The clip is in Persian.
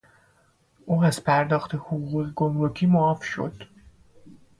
او از پرداخت حقوق گمرکی معاف شد.